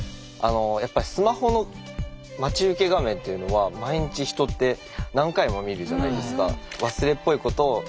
やっぱスマホの待ち受け画面っていうのは毎日人って何回も見るじゃないですか。